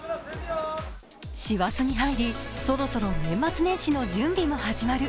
師走に入り、そろそろ年末年始の準備も始まる。